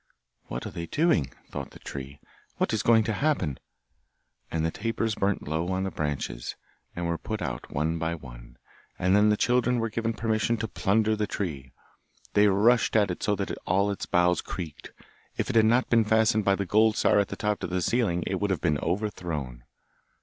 'What are they doing?' thought the tree. 'What is going to happen?' And the tapers burnt low on the branches, and were put out one by one, and then the children were given permission to plunder the tree. They rushed at it so that all its boughs creaked; if it had not been fastened by the gold star at the top to the ceiling, it would have been overthrown.